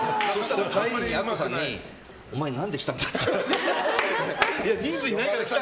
アッコさんにお前何で来たんだって。